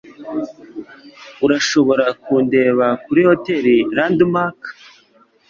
Urashobora kundeba kuri Hotel Landmark.